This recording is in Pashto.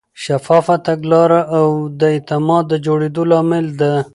شفافه تګلاره د اعتماد د جوړېدو لامل ده.